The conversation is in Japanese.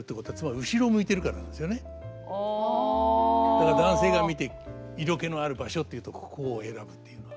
だから男性が見て色気のある場所っていうとここを選ぶっていうのは。